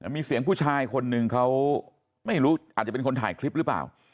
มีเสียงผู้ชายคนหนึ่งเขาไม่รู้อาจจะเป็นคนถ่ายคลิปหรือเปล่า